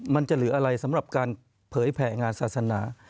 มันจะเหลืออะไรสำหรับการเผยแผ่งานศาสนา